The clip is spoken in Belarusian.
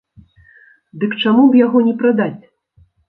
Дык чаму б яго не прадаць?